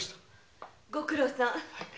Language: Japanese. ご苦労さん。